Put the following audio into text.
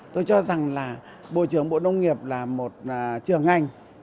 tôi cho rằng là bộ trưởng bộ nông nghiệp là một trường ngành